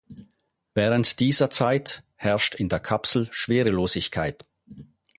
Während dieser Zeit herrscht in der Kapsel Schwerelosigkeit.